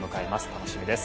楽しみです。